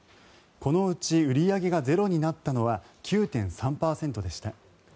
このうち売り上げがゼロになったのは９．３％でした。